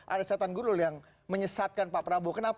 ada setan gurul yang menyesatkan pak prabowo